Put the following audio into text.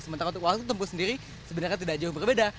sementara untuk waktu tempuh sendiri sebenarnya tidak jauh berbeda